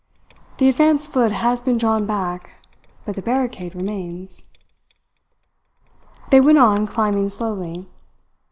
The advanced foot has been drawn back, but the barricade remains." They went on climbing slowly.